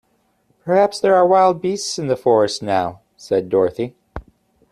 "Perhaps there are wild beasts in the forest now," said Dorothy.